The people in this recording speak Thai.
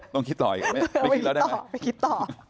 ต้องคิดต่ออีกไหมไปคิดต่อ